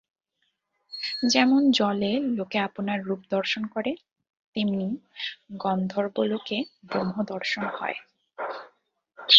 যেমন জলে লোকে আপনার রূপ দর্শন করে, তেমনি গন্ধর্বলোকে ব্রহ্মদর্শন হয়।